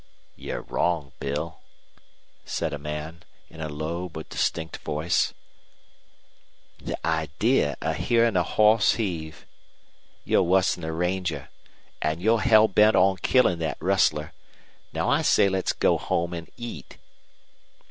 "You're wrong, Bill," said a man, in a low but distinct voice. "The idee of hearin' a hoss heave. You're wuss'n a ranger. And you're hell bent on killin' that rustler. Now I say let's go home and eat."